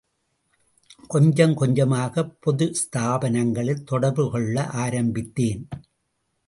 கொஞ்சம் கொஞ்சமாகப் பொது ஸ்தாபனங்களில் தொடர்பு கொள்ள ஆரம்பித்தேன்.